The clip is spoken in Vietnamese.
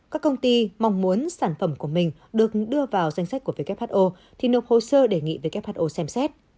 các công ty mong muốn sản phẩm của mình được đưa vào danh sách của who thì nộp hồ sơ đề nghị who xem xét